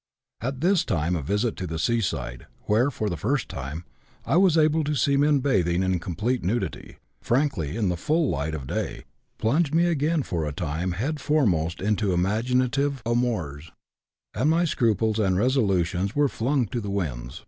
At this time a visit to the seaside, where, for the first time, I was able to see men bathing in complete nudity, frankly, in the full light of day, plunged me again for a time headforemost into imaginative amours, and my scruples and resolutions were flung to the winds.